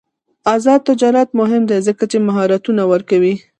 آزاد تجارت مهم دی ځکه چې مهارتونه ورکوي.